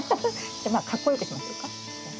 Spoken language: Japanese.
じゃまあかっこよくしましょうか。